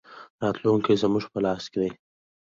راتلونکی زموږ په لاس کې دی